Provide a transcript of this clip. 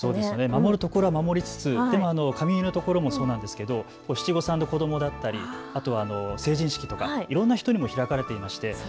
守るところは守りつつでも髪結いのところもそうなんですけど七五三の子どもだったり成人式とかいろんな人にも開かれていました。